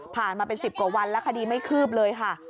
มาเป็น๑๐กว่าวันแล้วคดีไม่คืบเลยค่ะ